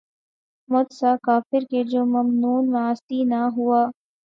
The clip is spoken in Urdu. مجھ سا کافر کہ جو ممنون معاصی نہ ہوا